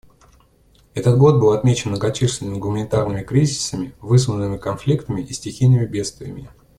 Этот год был отмечен многочисленными гуманитарными кризисами, вызванными конфликтами и стихийными бедствиями.